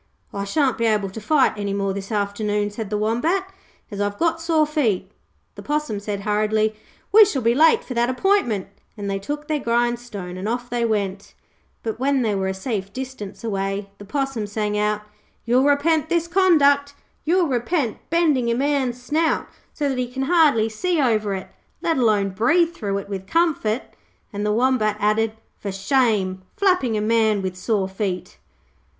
'I shan't be able to fight any more this afternoon,' said the Wombat, 'as I've got sore feet.' The Possum said hurriedly, 'We shall be late for that appointment', and they took their grindstone and off they went. But when they were a safe distance away the Possum sang out: 'You'll repent this conduct. You'll repent bending a man's snout so that he can hardly see over it, let alone breathe through it with comfort', and the Wombat added, 'For shame, flapping a man with sore feet.'